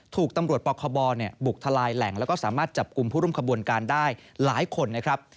ถูกตำรวจปคบบุกทลายแหล่งแล้วก็สามารถจับกลุ่มผู้ร่วมขบวนการได้หลายคนนะครับ